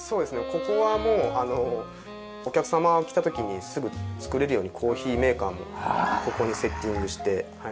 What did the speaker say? ここはもうお客様来た時にすぐ作れるようにコーヒーメーカーもここにセッティングして。